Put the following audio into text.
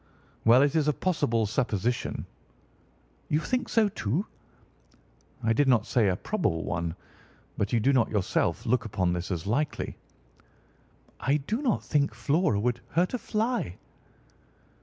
"Well, it is a possible supposition." "You think so, too?" "I did not say a probable one. But you do not yourself look upon this as likely?" "I do not think Flora would hurt a fly."